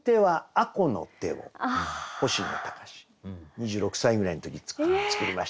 ２６歳ぐらいの時に作りましたね。